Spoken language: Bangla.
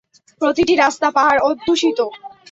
প্রতিটি রাস্তা পাহাড় অধ্যুষিত।